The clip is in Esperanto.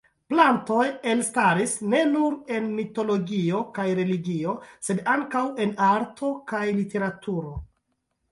Plantoj elstaris ne nur en mitologio kaj religio sed ankaŭ en arto kaj literaturo.